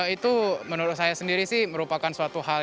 itu menurut saya sendiri sih merupakan suatu hal